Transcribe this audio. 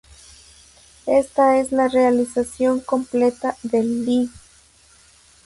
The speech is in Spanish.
Esta es la realización completa del li.